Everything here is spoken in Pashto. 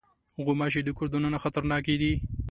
غوماشې د کور دننه خطرناکې دي.